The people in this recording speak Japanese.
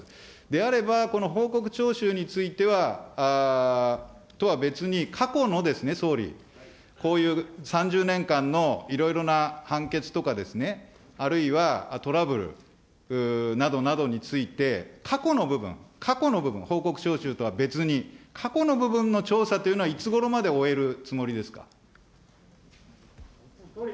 であれば、この報告徴収についてはとは別に過去の総理、こういう３０年間のいろいろな判決とかですね、あるいはトラブルなどなどについて、過去の部分、過去の部分、報告徴収とは別に、過去の部分の調査というのは、いつごろまで終えるおつもりですか。